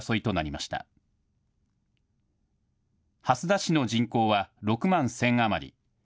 蓮田市の人口は６万１０００余り。